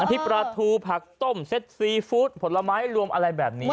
น้ำพริกปลาทูผักต้มเซ็ตซีฟู้ดผลไม้รวมอะไรแบบเนี้ยฮะ